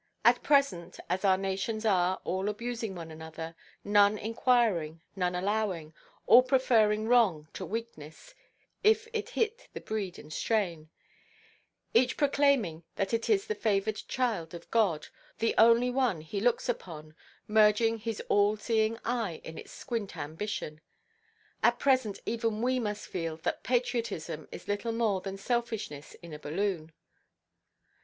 At present, as our nations are, all abusing one another, none inquiring, none allowing, all preferring wrong to weakness, if it hit the breed and strain; each proclaiming that it is the favoured child of God, the only one He looks upon (merging His all–seeing eye in its squint ambition)—at present even we must feel that "patriotism" is little more than selfishness in a balloon.